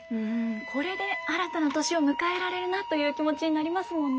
これで新たな年を迎えられるなという気持ちになりますもんね。